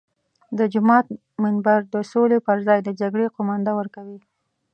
د جومات منبر د سولې پر ځای د جګړې قومانده ورکوي.